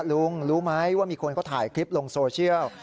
รู้ไหมว่ามีคนเขาถ่ายคลิปลงโซเชียล